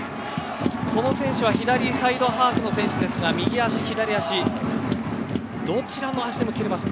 この選手は左サイドハーフの選手ですが右足左足どちらの足でも蹴れます。